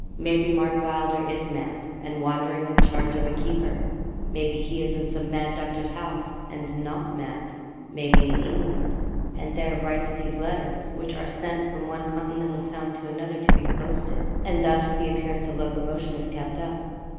'Maybe Mark Wylder is mad, and wandering in charge of a keeper; maybe he is in some mad doctor's house, and not mad; maybe in England, and there writes these letters which are sent from one continental town to another to be posted, and thus the appearance of locomotion is kept up.